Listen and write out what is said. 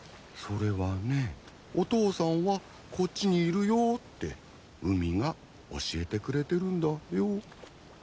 それはねお父さんはこっちにいるよって海が教えてくれてるんだよ。